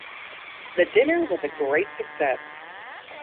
The dinner was a great success.